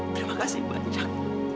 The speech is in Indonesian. terima kasih banyak